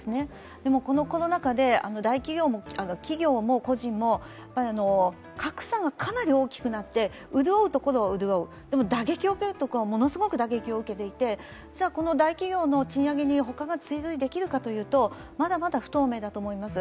でも、このコロナ禍で企業も個人も格差がかなり大きくなって潤うところは潤うでも打撃を受けるところはものすごく打撃を受けていてじゃあ、大企業の賃上げにほかが追随できるかというと、まだまだ不透明だと思います。